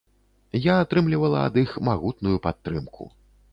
Я атрымлівала ад іх магутную падтрымку.